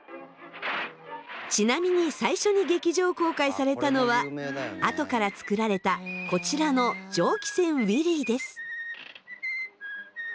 ちなみに最初に劇場公開されたのは後から作られたこちらの「蒸気船ウィリー」です。